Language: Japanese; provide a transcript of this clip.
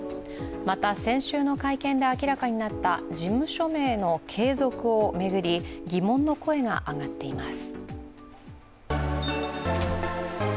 また、先週の会見で明らかになった事務所名の継続を巡り、疑問の声が上がっています。